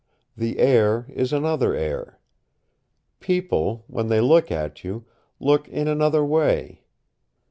The air is another air. People, when they look at you, look in another way.